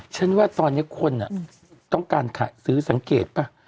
ฉันว่าตอนนี้คนต้องการซื้อสังเกตป่ะ